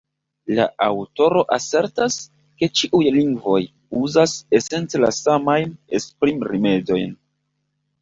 La aŭtoro asertas, ke ĉiuj lingvoj uzas esence la samajn esprimrimedojn.